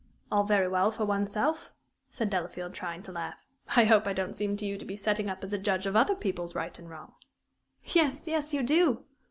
"All very well for one's self," said Delafield, trying to laugh. "I hope I don't seem to you to be setting up as a judge of other people's right and wrong?" "Yes, yes, you do!"